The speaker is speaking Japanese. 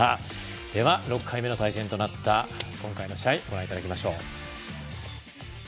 では、６回目の対戦となった今回の試合ご覧いただきましょう。